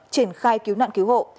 triển khai cứu nạn cứu hộ